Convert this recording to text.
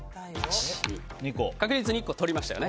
確実に１個とりましたよね。